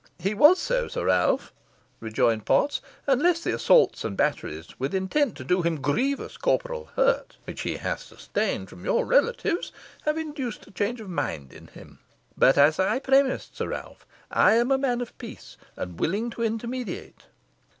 "He was so, Sir Ralph," rejoined Potts, "unless the assaults and batteries, with intent to do him grievous corporeal hurt, which he hath sustained from your relatives, have induced a change of mind in him. But as I premised, Sir Ralph, I am a man of peace, and willing to intermediate."